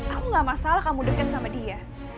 aku gak masalah kamu deket sama dia